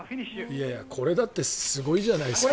これだってすごいじゃないですか。